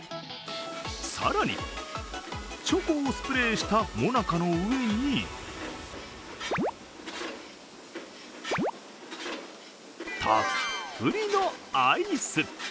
更に、チョコをスプレーしたモナカの上にたっぷりのアイス。